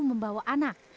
dan juga anak